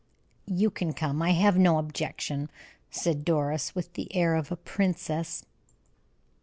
"You can come. I have no objection," said Doris, with the air of a princess.